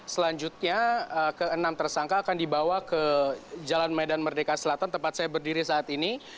selanjutnya ke enam tersangka akan dibawa ke jalan medan merdeka selatan tempat saya berdiri saat ini